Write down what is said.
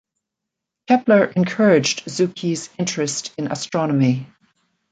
Kepler encouraged Zucchi's interest in astronomy.